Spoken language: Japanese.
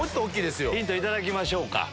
ヒント頂きましょうか。